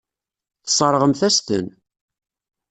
Tesseṛɣemt-as-ten.